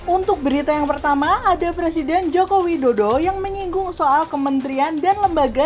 untuk berita yang pertama ada presiden joko widodo yang menyinggung soal kementerian dan lembaga